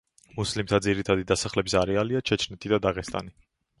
მუსლიმთა ძირითადი დასახლების არეალია ჩეჩნეთი და დაღესტანი.